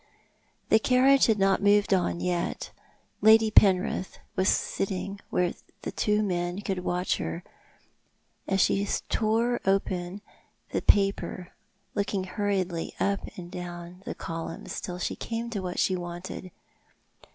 The carriage had not moved on yet. Lady Penrith was pitting where the two men could watch her, as she tore open the paper, looking hurriedly up and down the columns till she came to what she wanted.